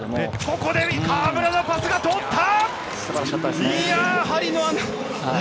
ここで河村のパスが通った！